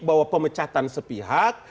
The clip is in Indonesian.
bahwa pemecatan sepihak